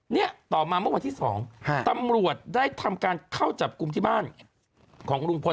เนี่ยต่อมาเมื่อวันที่๒ตำรวจได้ทำการเข้าจับกลุ่มที่บ้านของลุงพล